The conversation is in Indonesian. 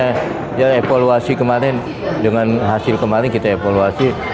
karena dia evaluasi kemarin dengan hasil kemarin kita evaluasi